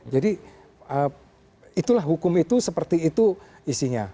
jadi itulah hukum itu seperti itu isinya